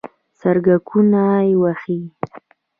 سترګکونه وهي